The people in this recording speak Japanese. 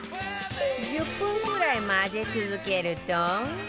１０分ぐらい混ぜ続けると